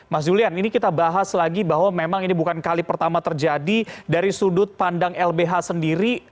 mas julian ini kita bahas lagi bahwa memang ini bukan kali pertama terjadi dari sudut pandang lbh sendiri